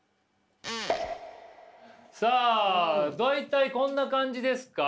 さあ大体こんな感じですか？